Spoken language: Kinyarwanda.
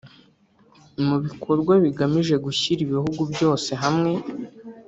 mu bikorwa bigamije gushyira ibihugu byose hamwe